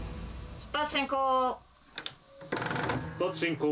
出発進行。